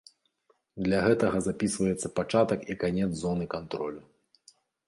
Для гэтага запісваецца пачатак і канец зоны кантролю.